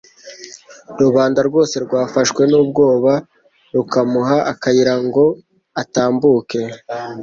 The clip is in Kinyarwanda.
rubanda rwose rwafashwe n'ubwoba rukamuha akayira ngo atambuke.